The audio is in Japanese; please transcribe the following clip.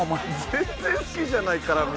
全然好きじゃない絡み！！